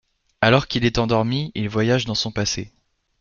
Alors qu’il est endormi, il voyage dans son passé.